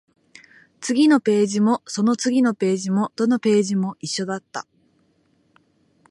次のページも、その次のページも、どのページも一緒だった